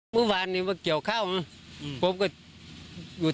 ครับก็เลยขึ้นไปดู